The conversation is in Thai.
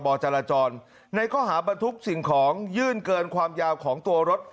จราจรในข้อหาบรรทุกสิ่งของยื่นเกินความยาวของตัวรถ